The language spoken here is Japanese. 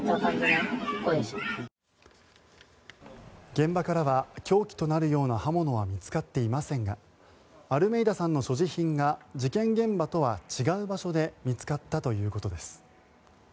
現場からは凶器となるような刃物は見つかっていませんがアルメイダさんの所持品が事件現場とは違う場所で見つかったということです。